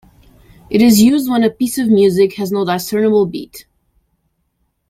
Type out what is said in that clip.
It is used when a piece of music has no discernible beat.